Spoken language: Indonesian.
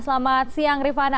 selamat siang rifana